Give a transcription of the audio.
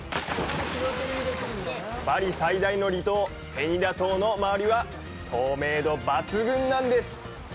バリ最大の離島ペニダ島の周りは透明度抜群なんです。